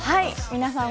皆さん